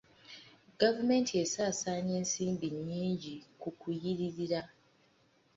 Gavumenti esaasaanya ensimbi nyingi ku kuyiririra.